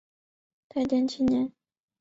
太建七年。